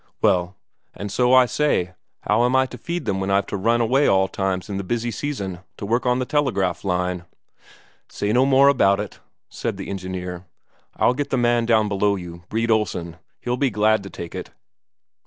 "Well, and so I say, how am I to feed them when I've to run away all times in the busy season, to work on the telegraph line?" "Say no more about it," said the engineer. "I'll get the man down below you, Brede Olsen; he'll be glad to take it."